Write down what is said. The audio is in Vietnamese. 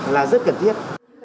là rất cần thiết